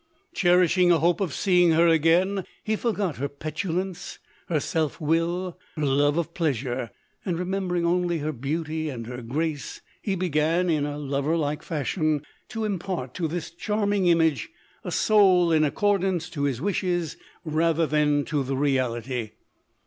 Cherishing a hope of seeing her again, he forgot her petulance — her self will — her love of pleasure ; and remembering only her beaut v and her grace, he began, in a lover like fashion, to impart to this charming image, a soul in accordance to his wishes, rather than to the reality.